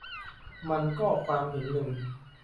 มันก็ความเห็นหนึ่ง